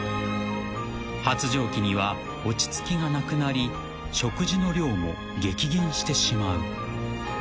［発情期には落ち着きがなくなり食事の量も激減してしまう］